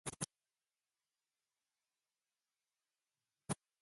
Ruppersberger began his career as a Baltimore County Assistant State's Attorney.